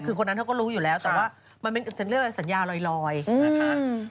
คือคนนั้นเขาก็รู้อยู่แล้วแต่ว่ามันเป็นสัญญาลอยนะค่ะ